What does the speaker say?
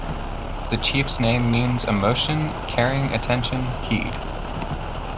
The chief's name means "emotion, caring, attention, heed".